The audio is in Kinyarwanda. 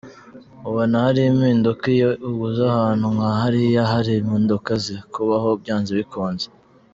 Ubona hari impinduka, iyo ugeze ahantu nka hariya hari impinduka zikubaho byanze bikunze.